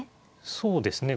そうですね。